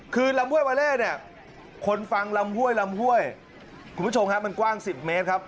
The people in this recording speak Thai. คือลำห้วยวาเล่เนี่ยคนฟังลำห้วยลำห้วยคุณผู้ชมฮะมันกว้าง๑๐เมตรครับ